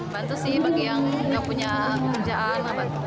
bantu sih bagi yang nggak punya pekerjaan